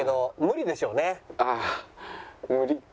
無理でしょうね。